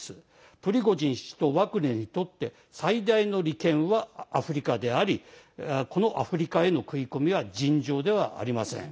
プリゴジン氏とワグネルにとって最大の利権は、アフリカでありこのアフリカへの食い込みは尋常ではありません。